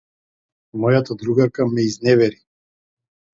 Мојата другарка ме изневери.